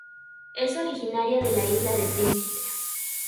Es originaria de la isla de Príncipe.